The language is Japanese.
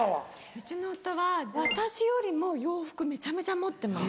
うちの夫は私よりも洋服めちゃめちゃ持ってます。